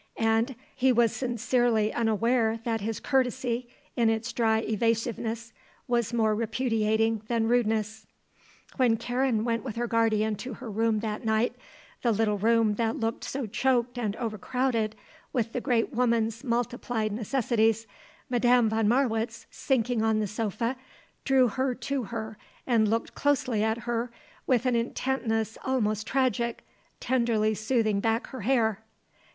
And he was sincerely unaware that his courtesy, in its dry evasiveness, was more repudiating than rudeness. When Karen went with her guardian to her room that night, the little room that looked so choked and overcrowded with the great woman's multiplied necessities, Madame von Marwitz, sinking on the sofa, drew her to her and looked closely at her, with an intentness almost tragic, tenderly smoothing back her hair.